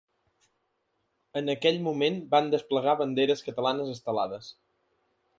En aquell moment van desplegar banderes catalanes estelades.